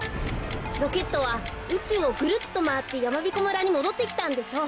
ロケットはうちゅうをぐるっとまわってやまびこ村にもどってきたんでしょう。